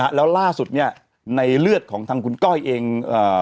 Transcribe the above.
แล้วล่าสุดเนี่ยในเลือดของทางคุณก้อยเอง